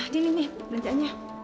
dini nih kerjaannya